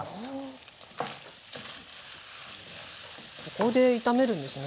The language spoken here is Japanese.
ここで炒めるんですね。